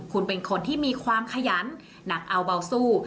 คุณเป็นคนที่มีความขยันหนักเอาเบาสู้